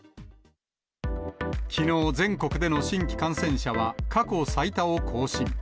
きのう、全国での新規感染者は過去最多を更新。